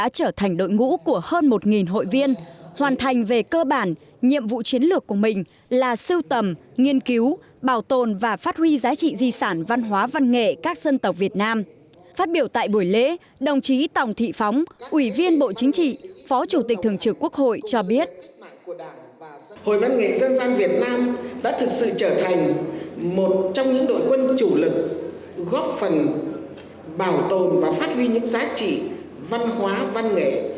các đội quân chủ lực góp phần bảo tồn và phát huy những giá trị văn hóa văn nghệ